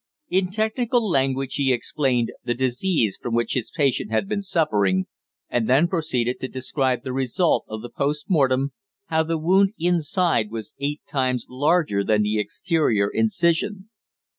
In technical language he explained the disease from which his patient had been suffering, and then proceeded to describe the result of the post mortem, how the wound inside was eight times larger than the exterior incision.